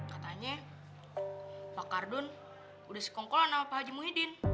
katanya pak ardun udah sekongkolan sama pak aji muhyiddin